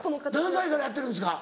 何歳からやってるんですか？